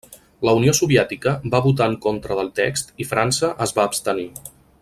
La Unió Soviètica va votar en contra del text i França es va abstenir.